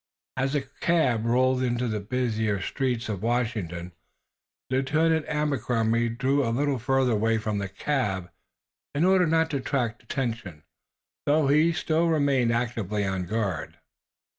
As the cab rolled into the busier streets of Washington Lieutenant Abercrombie drew a little further away from the cab, in order not to attract attention, though he still remained actively on guard.